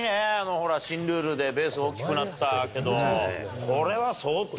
ほら、新ルールでベース大きくなったけど。